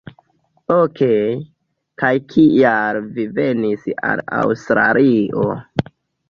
Okej, kaj kial vi venis al Aŭstralio?